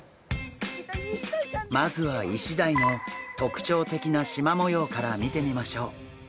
まずはイシダイの特徴的なしま模様から見てみましょう。